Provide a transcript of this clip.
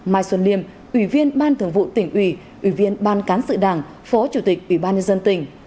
mai xuân liêm ủy viên ban thường vụ tỉnh ủy ủy viên ban cán sự đảng phó chủ tịch ủy ban nhân dân tỉnh